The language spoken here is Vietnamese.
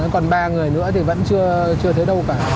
còn ba người nữa thì vẫn chưa thấy đâu cả